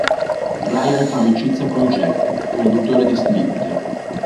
Ryan fa amicizia con Jack, conduttore di slitte.